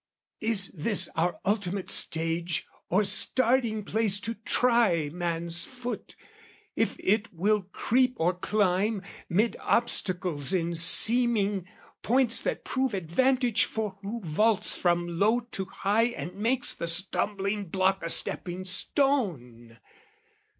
Is this our ultimate stage, or starting place To try man's foot, if it will creep or climb, 'Mid obstacles in seeming, points that prove Advantage for who vaults from low to high And makes the stumbling block a stepping stone?